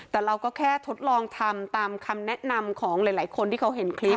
แต่เราก็แค่ทดลองทำตามคำแนะนำของหลายคนที่เขาเห็นคลิป